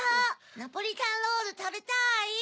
ナポリタンロールたべたい。